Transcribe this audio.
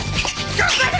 頑張れ！